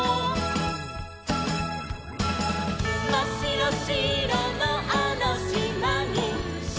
「まっしろしろのあのしまに」